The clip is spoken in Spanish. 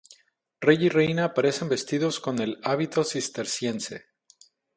Rey y reina aparecen vestidos con el hábito cisterciense.